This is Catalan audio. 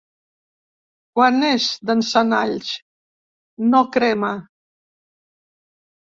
Quan és d'encenalls no crema.